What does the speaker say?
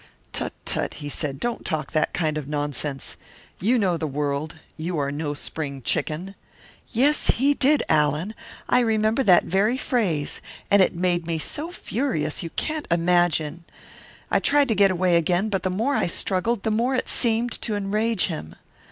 "'Tut, tut,' he said, 'don't talk that kind of nonsense. You know the world. You are no spring chicken.' Yes, he did, Allan I remember that very phrase. And it made me so furious you can't imagine! I tried to get away again, but the more I struggled, the more it seemed to enrage him.